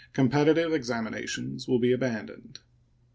Competitive examinations will be abandoned.